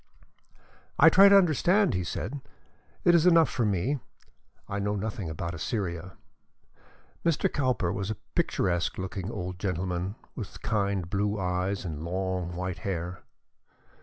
"I try to understand London," he said. "It is enough for me. I know nothing about Assyria." Mr. Cowper was a picturesque looking old gentleman, with kind blue eyes and long white hair.